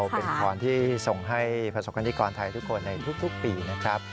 เป็นพรที่ส่งให้ประสบกรณิกรไทยทุกคนในทุกปีนะครับ